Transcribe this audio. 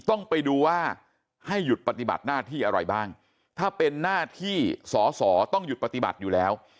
ต้องไปดูว่าให้หยุดปฏิบัติหน้าที่อะไรบ้างถ้าเป็นหน้าที่สอสอต้องหยุดปฏิบัติอยู่แล้ว